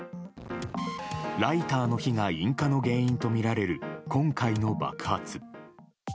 ライターの火が引火の原因とみられる今回の爆発。